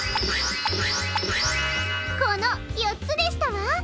このよっつでしたわ。